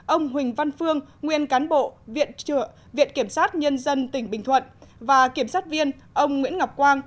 ông huỳnh văn phương nguyên cán bộ viện trưởng viện kiểm sát nhân dân tỉnh bình thuận và kiểm sát viên ông nguyễn ngọc quang